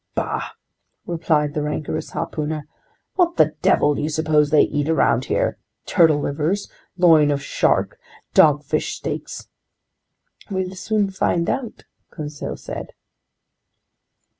"Bah!" replied the rancorous harpooner. "What the devil do you suppose they eat around here? Turtle livers, loin of shark, dogfish steaks?" "We'll soon find out!" Conseil said.